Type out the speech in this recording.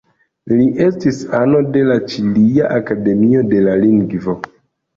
Li estis ano de la Ĉilia Akademio de la Lingvo.